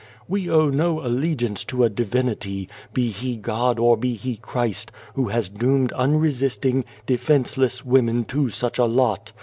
We owe no allegiance to a Divinity be he God or be he Christ who has doomed unresisting, defence less women to such a lot.